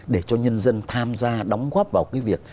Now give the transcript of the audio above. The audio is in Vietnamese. để cho nhân dân tham gia đóng góp vào cái việc